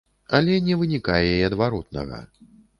Але не вынікае і адваротнага.